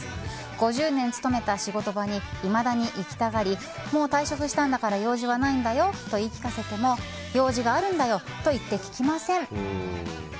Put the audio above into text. ５０年勤めた仕事場にいまだに行きたがりもう退職したんだから用事はないんだよと言い聞かせても用事があるんだよ！と言って聞きません。